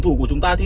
b thường thôi